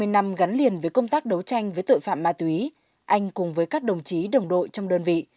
hai mươi năm gắn liền với công tác đấu tranh với tội phạm ma túy anh cùng với các đồng chí đồng đội trong đơn vị